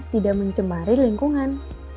tidak mencemari lingkungan